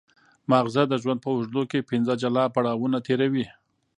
ماغزه د ژوند په اوږدو کې پنځه جلا پړاوونه تېروي.